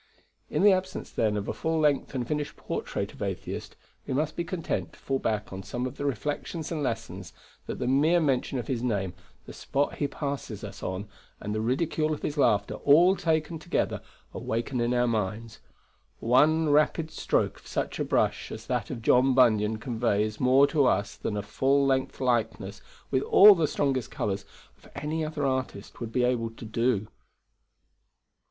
In the absence, then, of a full length and finished portrait of Atheist, we must be content to fall back on some of the reflections and lessons that the mere mention of his name, the spot he passes us on, and the ridicule of his laughter, all taken together, awaken in our minds. One rapid stroke of such a brush as that of John Bunyan conveys more to us than a full length likeness, with all the strongest colours, of any other artist would be able to do.